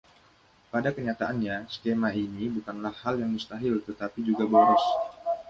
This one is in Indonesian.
Pada kenyataannya skema ini bukanlah hal yang mustahil, tetapi juga boros.